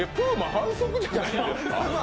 反則じゃないですか？